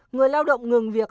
người lao động ngừng việc